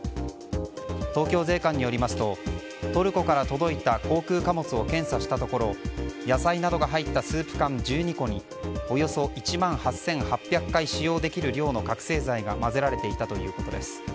東京税関によりますとトルコから届いた航空貨物を検査したところ野菜などが入ったスープ缶１２個におよそ１万８８００回使用できる量の覚醒剤が混ぜられていたということです。